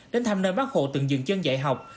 đến thăm nơi bác hộ từng dừng chân dạy học